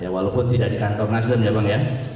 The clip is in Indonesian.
walaupun tidak di kantor nasdem ya bang ya